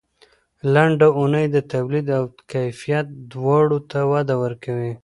لنډه اونۍ د تولید او کیفیت دواړو ته وده ورکوي.